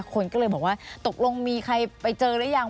คนก็เลยบอกว่าตกลงมีใครไปเจอหรือยัง